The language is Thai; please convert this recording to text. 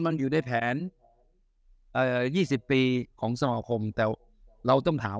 มันอยู่ในแผนเอ่อยี่สิบปีของสำหรับคมแต่เราต้องถาม